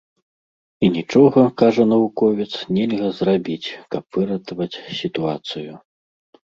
І нічога, кажа навуковец, нельга зрабіць, каб выратаваць сітуацыю.